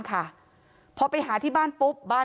ความปลอดภัยของนายอภิรักษ์และครอบครัวด้วยซ้ำ